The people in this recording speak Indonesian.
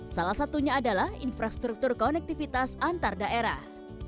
salah satunya adalah infrastruktur konektivitas antar daerah